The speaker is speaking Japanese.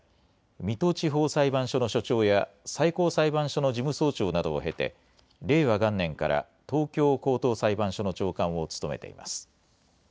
水戸地方裁判所の所長や最高裁判所の事務総長などを経て令和元年から東京高等裁判所の長官を務めています。